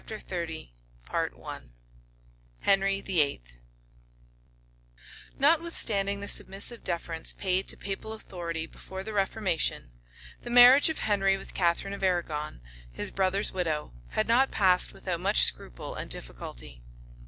} Notwithstanding the submissive deference paid to papal authority before the reformation, the marriage of Henry with Catharine of Arragon, his brother's widow, had not passed without much scruple and difficulty.